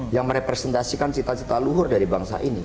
yang merepresentasikan cita cita luhur dari bangsa ini